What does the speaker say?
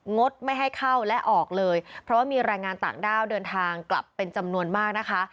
ดไม่ให้เข้าและออกเลยเพราะว่ามีแรงงานต่างด้าวเดินทางกลับเป็นจำนวนมากนะคะ